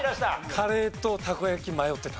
カレーとたこ焼き迷ってたんです。